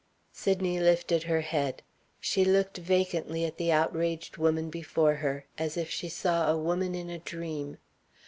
Sydney lifted her head. She looked vacantly at the outraged woman before her, as if she saw a woman in a dream.